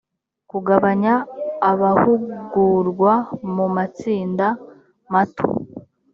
kugabanya abahugurwa mu matsinda mato